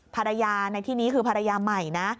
ภรรยาในที่นี้คือภรรยาใหม่นะ